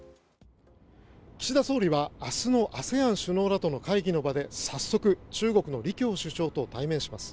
岸田総理は明日のＡＳＥＡＮ首脳らとの会議の場で早速中国の李強首相と対面します。